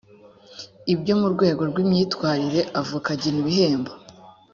ibyo mu rwego rw imyitwarire avoka agena ibihembo